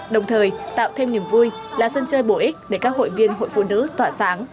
đồng thời tạo thêm niềm vui là sân chơi bổ ích để các hội viên hội phụ nữ tỏa sáng